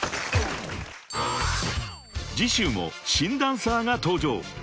［次週も新ダンサーが登場］